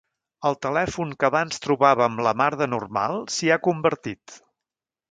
El telèfon que abans trobàvem la mar de normal s'hi ha convertit.